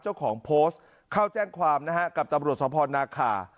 เจ้าของโพสต์เข้าแจ้งความนะฮะกับตำรวจสภนาคา